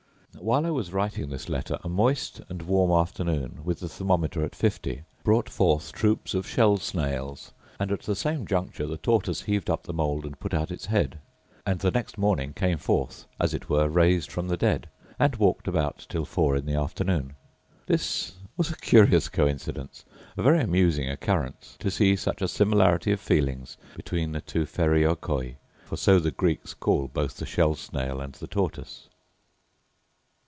While I was writing this letter, a moist and warm afternoon, with the thermometer at 50, brought forth troupe of shell snails; and, at the same juncture, the tortoise heaved up the mould and put out its head; and the next morning came forth, as it were raised from the dead; and walked about till four in the afternoon. This was a curious coincidence! a very amusing occurrence! to see such a similarity of feelings between the two φερέοικοι! for so the Greeks call both the shell snail and the tortoise.